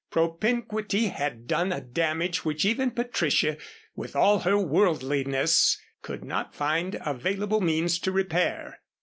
Propinquity had done a damage which even Patricia, with all her worldliness, could not find available means to repair.